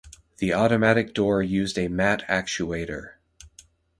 The automatic door used a mat actuator.